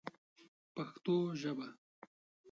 پښتو ژبه